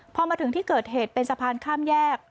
พอมาถึงที่เกิดเหตุเป็นสะพานข้ามแยก